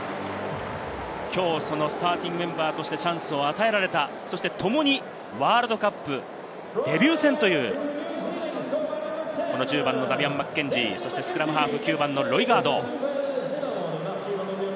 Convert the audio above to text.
きょうスターティングメンバーとしてチャンスを与えられた、そして共にワールドカップデビュー戦という１０番のダミアン・マッケンジー、スクラムハーフ、９番のロイガード。